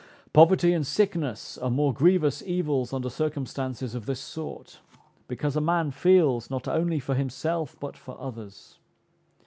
Poverty and sickness are more grievous evils under circumstances of this sort; because a man feels not only for himself, but for others.